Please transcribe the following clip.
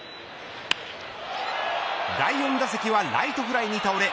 第４打席はライトフライに倒れ